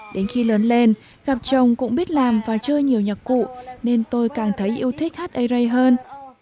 đến khi lớn lên gặp chồng cũng biết làm và chơi nhiều nhạc cụ nên tôi càng thấy yêu thích hát ây rây hơn